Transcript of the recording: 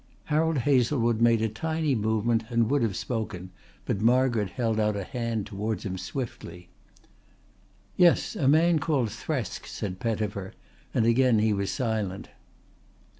Harold Hazlewood made a tiny movement and would have spoken, but Margaret held out a hand towards him swiftly. "Yes, a man called Thresk," said Pettifer, and again he was silent.